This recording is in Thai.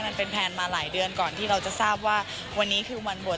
มันเป็นแพลนมาหลายเดือนก่อนที่เราจะทราบว่าวันนี้คือวันบวช